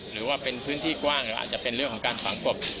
หรือว่าเป็นพื้นที่กว้างหรืออาจจะเป็นเรื่องของการฝังกบ